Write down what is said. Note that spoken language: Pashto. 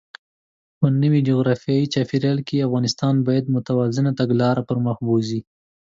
په نوي جغرافیايي چاپېریال کې، افغانستان باید متوازنه تګلاره پرمخ بوځي.